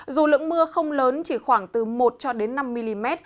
dù lượng mưa không lớn chỉ khoảng từ một cho đến năm mm